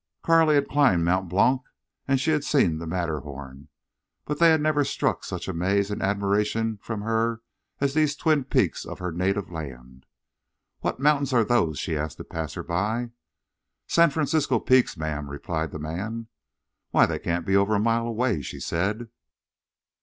Carley had climbed Mont Blanc and she had seen the Matterhorn, but they had never struck such amaze and admiration from her as these twin peaks of her native land. "What mountains are those?" she asked a passer by. "San Francisco Peaks, ma'am," replied the man. "Why, they can't be over a mile away!" she said.